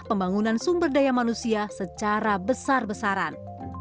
pembangunan sumber daya manusia secara besar besaran